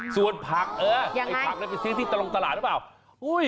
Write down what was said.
ส่วนผักไอ้ผักได้เป็นซีรีส์ที่ตลงตลาดหรือเปล่า